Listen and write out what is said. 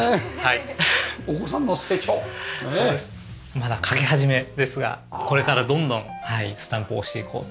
まだ書き始めですがこれからどんどんスタンプを押していこうと。